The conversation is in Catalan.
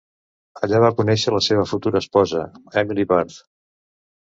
Allà va conèixer la seva futura esposa, Emily Barth.